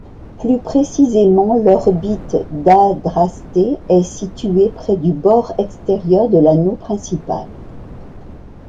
Plus précisément, l'orbite d'Adrastée est située près du bord extérieur de l'anneau principal.